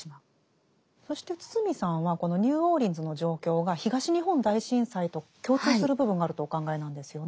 そして堤さんはこのニューオーリンズの状況が東日本大震災と共通する部分があるとお考えなんですよね。